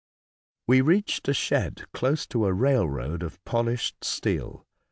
We reached a shed close to a railroad of polished steel.